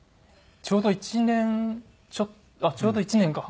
ちょうど１年ちょうど１年か。